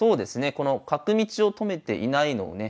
この角道を止めていないのをね